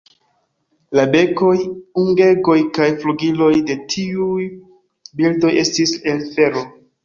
La bekoj, ungegoj kaj flugiloj de tiuj birdoj estis el fero.